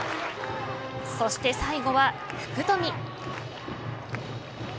そして最後は福冨。